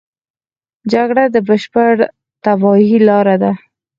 جګړه د بشر د تباهۍ لاره ده